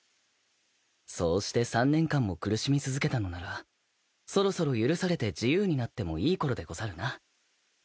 そうして３年間も苦しみ続けたのならそろそろ許されて自由になってもいいころでござるな。